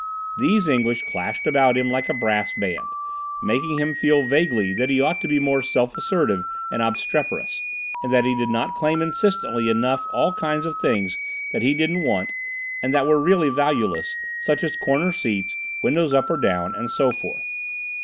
These English clashed about him like a brass band, making him feel vaguely that he ought to be more self assertive and obstreperous, and that he did not claim insistently enough all kinds of things that he didn't want and that were really valueless, such as corner seats, windows up or down, and so forth.